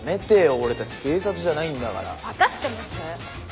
俺たち警察じゃないんだから。分かってます！